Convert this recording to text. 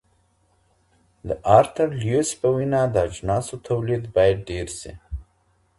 د ارتر ليوس په وينا د اجناسو توليد بايد ډېر سي.